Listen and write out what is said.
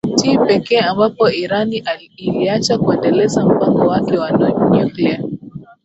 ti pekee ambapo irani iliacha kuendeleza mpango wake wa nuclear